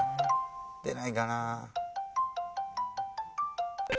出ないかな？